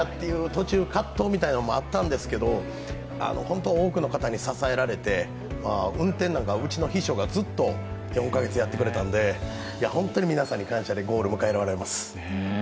途中、葛藤みたいんもあったんですけど多くの方に支えられて、運転なんかうちの秘書がずっと４か月やってくれたので、本当に皆さんに感謝でゴール迎えられます。